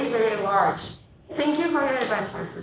terima kasih atas kekuatan anda